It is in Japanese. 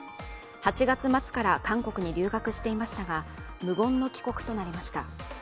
８月末から韓国に留学していましたが無言の帰国となりました。